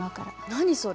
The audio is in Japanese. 何それ？